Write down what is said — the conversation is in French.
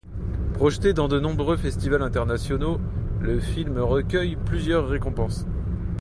Projeté dans de nombreux festivals internationaux, le film recueille plusieurs récompenses.